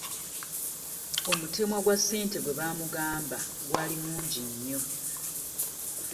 Omutemwa gwa ssente gwe baamugamba gwali mungi nnyo.